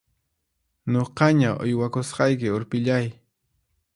Nuqaña uywakusqayki urpillay!